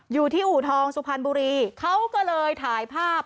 อยู่ที่อู่ทองสุพรรณบุรีเขาก็เลยถ่ายภาพ